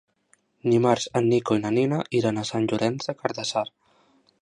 Dimarts en Nico i na Nina iran a Sant Llorenç des Cardassar.